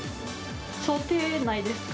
想定内ですか？